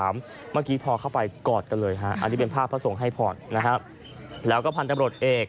เมื่อกี้พอเข้าไปกอดกันเลยฮะ